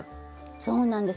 そうなんです。